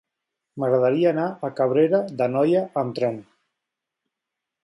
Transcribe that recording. M'agradaria anar a Cabrera d'Anoia amb tren.